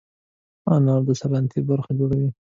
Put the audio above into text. انار د سلاتې برخه جوړوي.